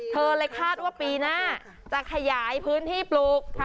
เลยคาดว่าปีหน้าจะขยายพื้นที่ปลูก